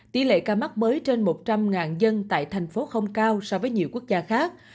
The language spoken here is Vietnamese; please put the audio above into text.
tỷ lệ ca mắc mới trên một trăm linh dân tại thành phố không cao so với nhiều quốc gia khác